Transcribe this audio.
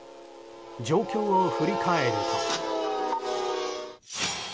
状況を振り返ると。